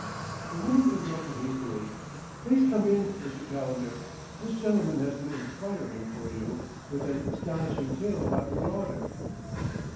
The woman interrupted hastily. "Please come in, Mr. Calendar. This gentleman has been inquiring for you, with an astonishing tale about your daughter."